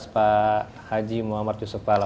pak haji muhammad yusuf kala